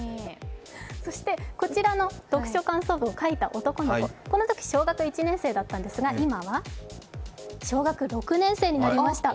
そしてこちらの読書感想文を書いた男の子、このとき小学１年生だったんですが今は小学６年生になりました。